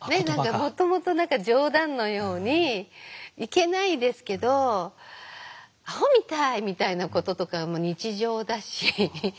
もともと何か冗談のようにいけないですけど「アホみたい」みたいなこととかも日常だし。